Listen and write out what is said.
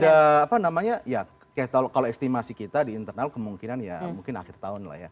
ya apa namanya ya kalau estimasi kita di internal kemungkinan ya mungkin akhir tahun lah ya